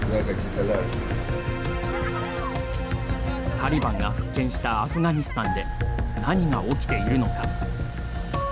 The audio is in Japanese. タリバンが復権したアフガニスタンで何が起きているのか。